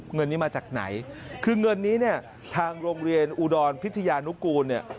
เงินนี้มาจากไหนคือเงินนี้เนี่ยทางโรงเรียนอุดรพิทยานุกูลเนี่ย